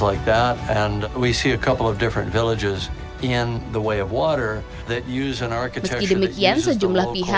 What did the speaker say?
kami melihat beberapa wilayah yang berbeda dalam the way of water yang menggunakan arsitektur yang menggunakan hutan lokal